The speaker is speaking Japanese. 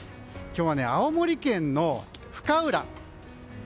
今日は青森県の深浦。